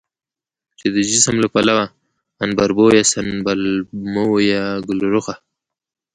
چې د جسم له پلوه عنبربويه، سنبل مويه، ګلرخه،